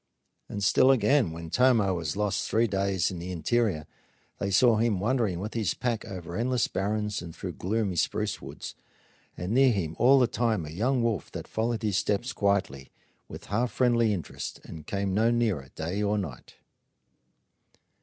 And still again, when Tomah was lost three days in the interior, they saw him wandering with his pack over endless barrens and through gloomy spruce woods, and near him all the time a young wolf that followed his steps quietly, with half friendly interest, and came no nearer day or night.